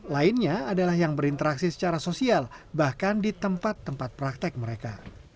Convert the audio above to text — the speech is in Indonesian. lainnya adalah yang berinteraksi secara sosial bahkan di tempat tempat praktek mereka